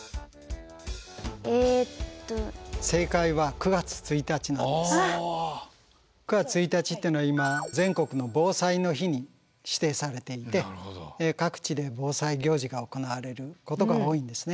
９月１日ってのは今全国の防災の日に指定されていて各地で防災行事が行われることが多いんですね。